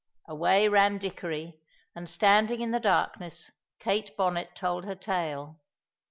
Away ran Dickory, and standing in the darkness, Kate Bonnet told her tale.